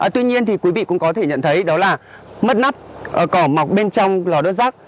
tuy nhiên thì quý vị cũng có thể nhận thấy đó là mất nắp cỏ mọc bên trong lò đốt rác